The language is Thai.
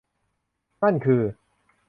นั่นคือ